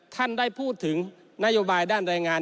ท่านได้พูดถึงนโยบายด้านรายงาน